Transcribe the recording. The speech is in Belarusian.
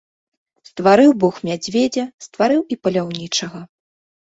Стварыў бог мядзведзя, стварыў і паляўнічага.